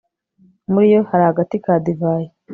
Muriyo hari agati ka divayi